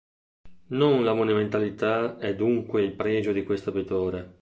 Non la monumentalità è dunque il pregio di questo pittore.